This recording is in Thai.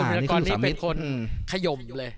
คุณวิลากรที่เป็นคนคยมเลย